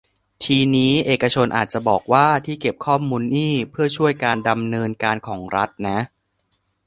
ทีนี้เอกชนอาจจะบอกว่า ที่เก็บข้อมูลนี่เพื่อช่วยการดำเนินการของรัฐนะ